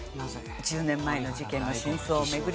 １０年前の事件の真相を巡り